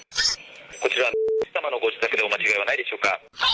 こちら、×××様のご自宅でお間違いはないでしょうか。